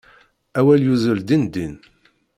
Awal yuzzel din din.